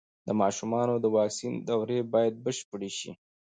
د ماشومانو د واکسین دورې بايد بشپړې شي.